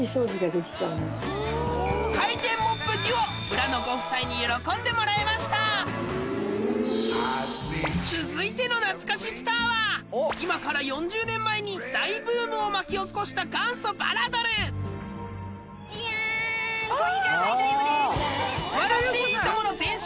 村野ご夫妻に続いての懐かしスターは今から４０年前に大ブームを巻き起こした元祖バラドルジャン！